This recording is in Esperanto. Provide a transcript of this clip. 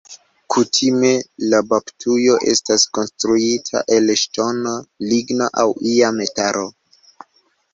Kutime la baptujo estas konstruita el ŝtono, ligno aŭ ia metalo.